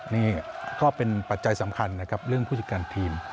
นี่ก็เป็นปัจจัยสำคัญนะครับเรื่องผู้จัดการทีม